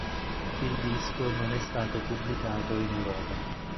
Il disco non è stato pubblicato in Europa.